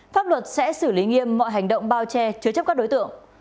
pháp luật sẽ xử lý nghiêm mọi hành động bao che chứa chấp các đối tượng